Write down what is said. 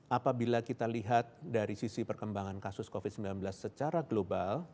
apabila kita lihat dari sisi perkembangan kasus covid sembilan belas secara global